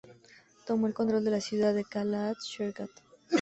Tomo el control de la ciudad de Kala-At-Sherghat.